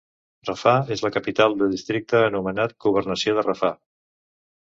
Rafah és la capital del districte anomenat Governació de Rafah.